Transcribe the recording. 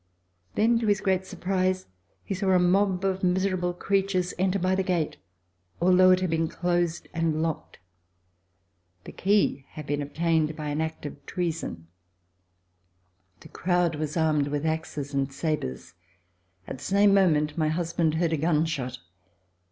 Then, to his great surprise, he saw a mob of miserable creatures enter by the gate, al though it had been closed and locked. The key had been obtained by an act of treason. The crowd was armed with axes and sabres. At the same moment my husband heard a gun shot.